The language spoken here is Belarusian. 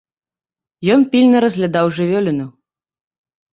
Ён пільна разглядаў жывёліну.